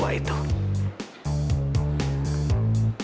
rajadah asjad éllie